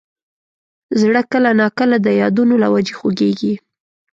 زړه کله نا کله د یادونو له وجې خوږېږي.